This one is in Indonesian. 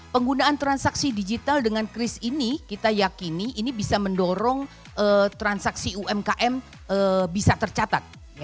penggunaan transaksi digital dengan kris ini kita yakini ini bisa mendorong transaksi umkm bisa tercatat